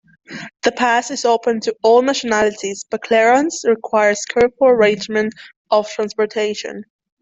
The pass is open to all nationalities but clearance requires careful arrangement of transportation.